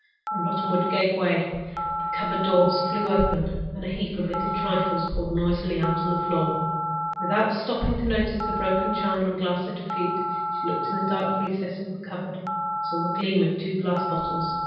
The rotten wood gave way, the cupboard doors flew open, and a heap of little trifles poured out noisily on the floor. Without stopping to notice the broken china and glass at her feet, she looked into the dark recesses of the cupboard and saw the gleam of two glass bottles.